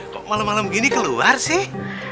kok malem malem gini keluar sih